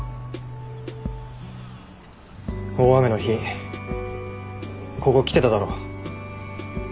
大雨の日ここ来てただろ。